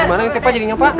gimana gempah jadinya pak